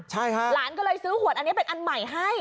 ใช่ค่ะหลานก็เลยซื้อขวดอันนี้เป็นอันใหม่ให้